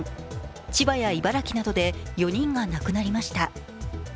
千葉や茨城などで４人が亡くなりました。